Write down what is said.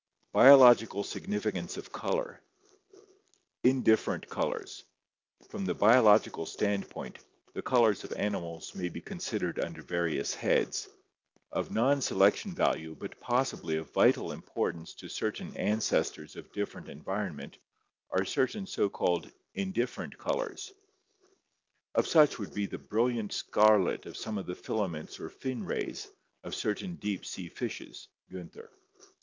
Biological Significance of Color Indifferent Colors. — From the biological standpoint, the colors of animals may be considered under various heads. Of non selec tion value but possibly of vital importance to certain ancestors of different environment are certain so called "indifferent colors." Of such would be the brilliant scarlet of some of the filaments or fin rays of certain deep sea fishes (Giinther).